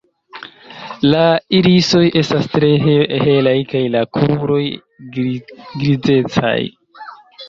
La irisoj estas tre helaj kaj la kruroj grizecaj.